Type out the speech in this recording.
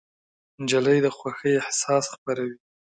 نجلۍ د خوښۍ احساس خپروي.